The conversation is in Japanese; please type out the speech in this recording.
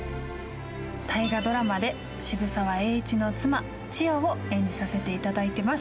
大河ドラマで渋沢栄一の妻千代を演じさせていただいています。